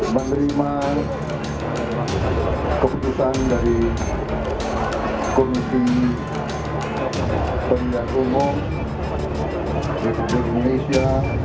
menerima keputusan dari komisi pendakungu republik indonesia